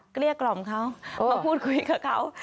เกลี้ยกล่อมเขามาพูดคุยกับเขา